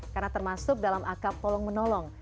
karena termasuk dalam akab tolong menolong